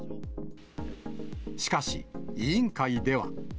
しかし、委員会では。